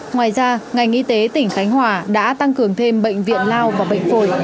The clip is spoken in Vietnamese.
ngoài ra ngành y tế tỉnh khánh hòa đã tăng cường thêm bệnh viện lao và bệnh phổi